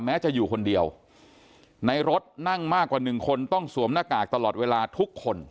จะอยู่คนเดียวในรถนั่งมากกว่าหนึ่งคนต้องสวมหน้ากากตลอดเวลาทุกคน